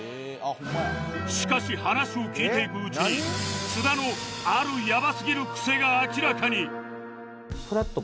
しかし話を聞いていくうちに津田のあるやばすぎる癖が明らかに